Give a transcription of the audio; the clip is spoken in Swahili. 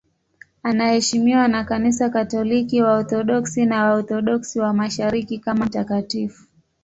Anaheshimiwa na Kanisa Katoliki, Waorthodoksi na Waorthodoksi wa Mashariki kama mtakatifu.